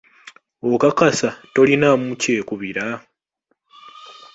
Okakasa, tolinaamu kyekubiira?